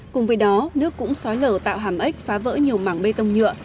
cùng với đó nước cũng xói lở tạo hàm ếch phá vỡ nhiều mảng bê tông nhựa